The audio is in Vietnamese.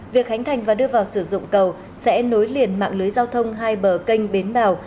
việc khánh thành và đưa vào sử dụng cầu sẽ nối liền mạng lưới giao thông hai bờ kênh bến vào